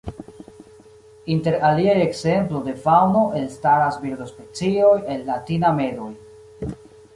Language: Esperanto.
Inter aliaj ekzemplo de faŭno elstaras birdospecioj el la tinamedoj.